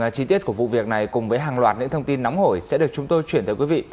chi tiết của vụ việc này cùng với hàng loạt những thông tin nóng hổi sẽ được chúng tôi chuyển tới quý vị